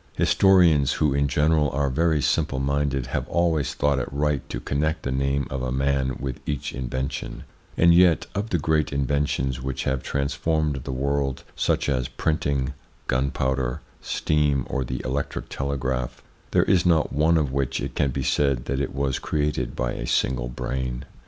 Historians, who in general are very simple minded, have always thought it right to connect the name of a man with each invention ; and yet, of the great inventions which have transformed the world, such as printing, gunpowder, steam, or the electric telegraph, there is not one of which it can be said that it was created by a single brain.